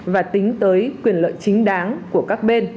và tính tới quyền lợi chính đáng của các bên